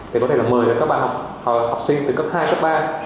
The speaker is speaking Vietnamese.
thì có thể là mời các bạn học sinh từ cấp hai đến cấp ba